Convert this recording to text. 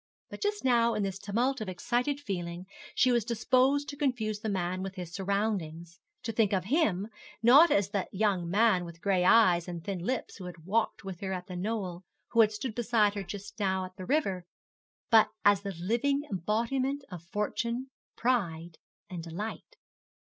But just now, in this tumult of excited feeling, she was disposed to confuse the man with his surroundings to think of him, not as that young man with gray eyes and thin lips, who had walked with her at The Knoll, who had stood beside her just now by the river, but as the living embodiment of fortune, pride, delight.